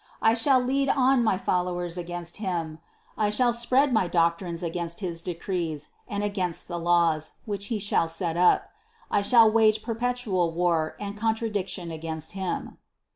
I shall lead on my followers against Him, I shall spread my doctrines against his decrees and against the laws, which He shall set up. I shall wage perpetual war and contradiction against Him."